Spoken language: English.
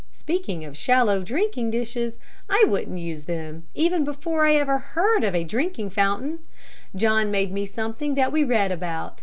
Speaking of shallow drinking dishes, I wouldn't use them, even before I ever heard of a drinking fountain. John made me something that we read about.